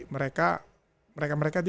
mereka mereka mereka itu